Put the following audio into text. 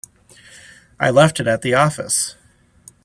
I left it at the office.